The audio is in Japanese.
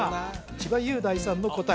千葉雄大さんの答え